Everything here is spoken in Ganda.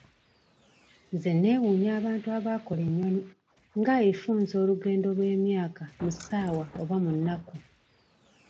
Nze neewuunya abantu abaakola nnyonyi nga efunza olugendo olw'emyaka mu ssaawa oba mu nnaku.